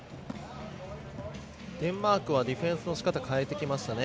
デンマークはディフェンスのしかたを変えてきましたね。